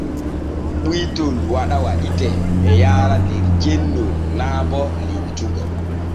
Ɓuytol waɗa waɗitee e yaara der cennol naa bo limtugo.